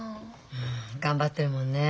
うん頑張ってるもんねえ。